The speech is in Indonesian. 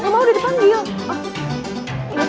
mau di depan diam